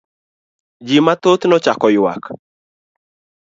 Ji mathoth nochako ywak….